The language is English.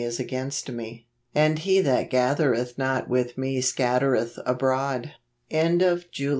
is against me; and he that gat here th not with me scattereth abroad." AUGUST.